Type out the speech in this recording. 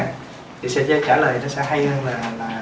thì sẽ trả lời nó sẽ hay hơn là